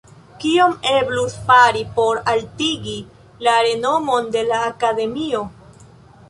Kion eblus fari por altigi la renomon de la Akademio?